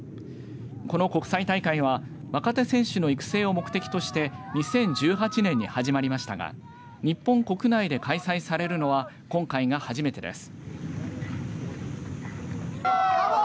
この国際大会は若手選手の育成を目的として２０１８年に始まりましたが日本国内で開催されるのは今回が初めてです。